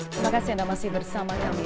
terima kasih anda masih bersama kami